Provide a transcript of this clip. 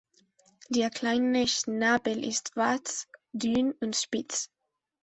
Der kleine Schnabel ist schwarz, dünn und spitz.